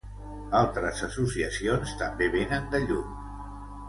Altres associacions també vénen de lluny.